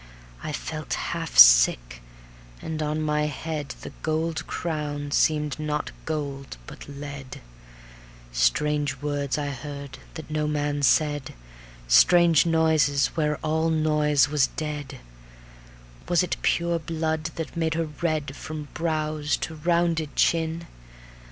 I felt half sick, and on my head The gold crown seemed not gold but lead; Strange words I heard that no man said, Strange noises where all noise was dead; Was it pure blood that made her red From brows to rounded chin?